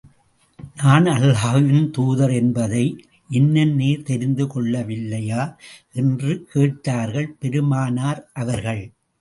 நான் அல்லாஹ்வின் தூதர் என்பதை, இன்னும் நீர் தெரிந்து கொள்ளவில்லையா என்று கேட்டார்கள் பெருமானார் அவர்கள்.